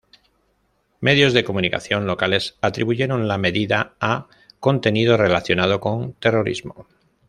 Medios de comunicación locales atribuyeron la medida a ""contenido relacionado con terrorismo"".